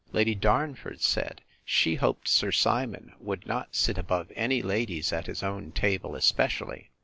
Lady Darnford said, She hoped Sir Simon would not sit above any ladies at his own table especially.